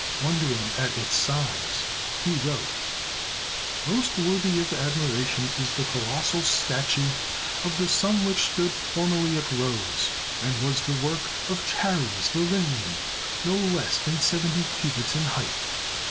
Wondering at its size, he wrote : Most worthy of admiration is the colossal statue of the sun which stood formerly at Rhodes, and was the work of Chares the Lindian, no less than seventy cubits in height.